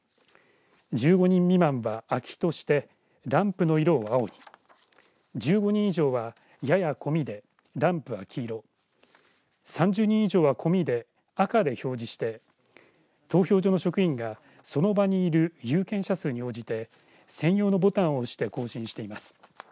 １５人未満は空きとしてランプの色を青１５人以上は、やや混みでランプは黄色３０人以上は混みで赤で表示して投票所の職員がその場にいる有権者数に応じて専用のボタンを押して更新しています。